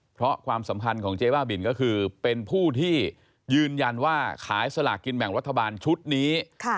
เพราะความสัมพันธ์ของเจ๊บ้าบินก็คือเป็นผู้ที่ยืนยันว่าขายสลากกินแบ่งรัฐบาลชุดนี้